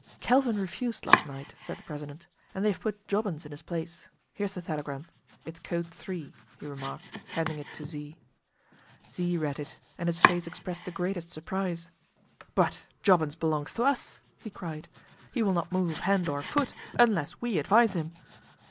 "Calvin refused last night," said the president, "and they have put Jobbins in his place. Here is the telegram. It is code three," he remarked, handing it to Z. Z read it, and his face expressed the greatest surprise. "But Jobbins belongs to us," he cried. "He will not move hand or foot unless we advise him!"